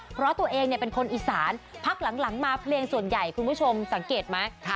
เพราะตัวเองเป็นคนอีสานพักหลังมาเพลงส่วนใหญ่คุณผู้ชมสังเกตไหม